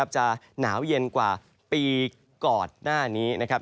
จะหนาวเย็นกว่าปีก่อนหน้านี้นะครับ